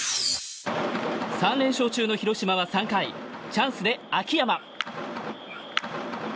３連勝中の広島は３回チャンスで秋山。